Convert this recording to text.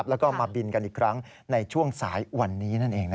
แล้วก็มาบินกันอีกครั้งในช่วงสายวันนี้นั่นเอง